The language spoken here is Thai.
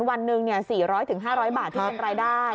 วันหนึ่ง๔๐๐๕๐๐บาทที่เป็นรายได้